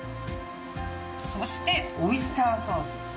そしてオイスターソース。